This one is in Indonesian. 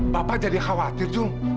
bapak jadi khawatir jul